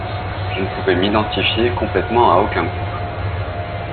Je ne pouvais m'identifier complètement à aucun groupe.